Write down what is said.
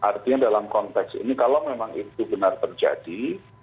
artinya dalam konteks ini kalau memang itu benar terjadi